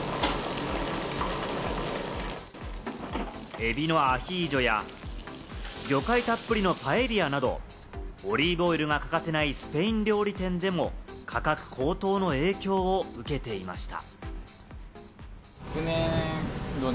エビのアヒージョや魚介たっぷりのパエリアなど、オリーブオイルが欠かせないスペイン料理店でも価格高騰の影響を受けていました。